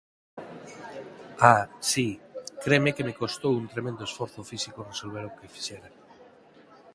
Ah, si, creme que me custou un tremendo esforzo físico resolver o que fixera.